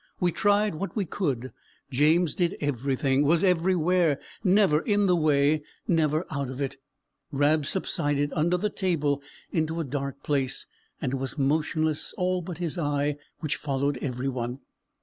We tried what we could; James did everything, was everywhere; never in the way, never out of it; Rab subsided under the table into a dark place, and was motionless, all but his eye, which followed every one.